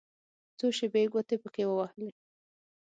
څو شېبې يې ګوتې پکښې ووهلې.